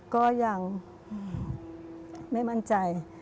ก็ยังไม่มั่นใจ